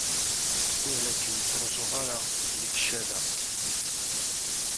Ur la kem-ttruẓuɣ ara deg ccada.